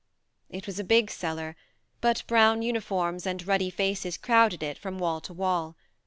It was a big cellar, but brown H 98 THE MARNE uniforms and ruddy faces crowded it from wall to wall.